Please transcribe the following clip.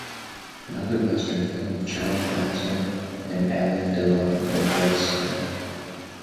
Another western film with Charles Bronson and Alain Delon is Red Sun.